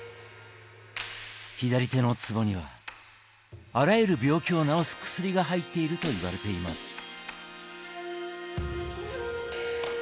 左手のつぼにはあらゆる病気を治す薬が入っているといわれています。